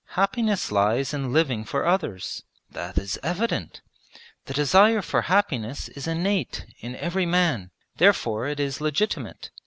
'Happiness lies in living for others. That is evident. The desire for happiness is innate in every man; therefore it is legitimate.